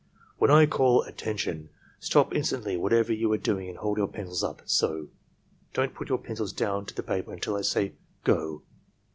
"When I call 'Attention,' stop instantly whatever you are doing and hold your pencil up — so. Don't put your pencil down to the paper until I say 'Go.'